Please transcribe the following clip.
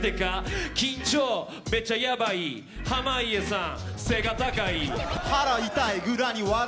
緊張、めちゃやばい、濱家さん背が高い。